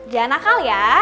jangan nakal ya